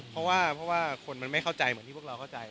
เพราะว่าเพราะว่าคนมันไม่เข้าใจเหมือนที่พวกเราเข้าใจ